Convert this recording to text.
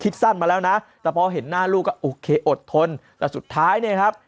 สั้นมาแล้วนะแต่พอเห็นหน้าลูกก็โอเคอดทนแต่สุดท้ายเนี่ยครับ